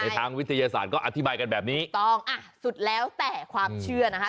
ทางวิทยาศาสตร์ก็อธิบายกันแบบนี้ถูกต้องอ่ะสุดแล้วแต่ความเชื่อนะคะ